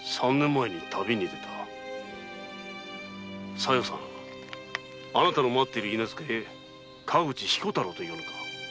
小夜さんあなたの待っている許婚川口彦太郎と言わぬか？